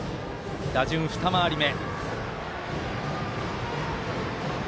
打順２回り目。